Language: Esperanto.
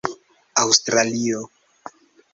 aŭstralio